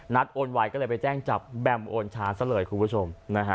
โอนไวก็เลยไปแจ้งจับแบมโอนช้าซะเลยคุณผู้ชม